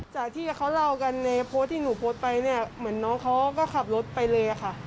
จากที่เขาเล่ากันในโพสต์ที่หนูโพสต์ไปเนี่ยเหมือนน้องเขาก็ขับรถไปเลยค่ะ